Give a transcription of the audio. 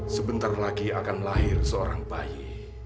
sebentar lagi akan lahir seorang bayi